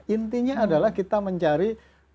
intinya adalah kita mencari